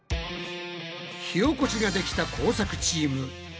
火おこしができた工作チーム。